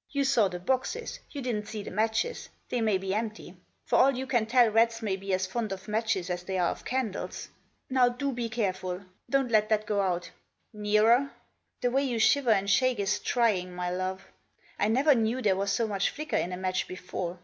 " You saw the boxes ; you didn't see the matches ; they may be empty. For all you can tell rats may be as fond of matches as they are of candles. Now, do be careful ; don't let that go out. Nearer ; the way you shiver and shake is trying, my love. I never knew there was so much flicker in a match before.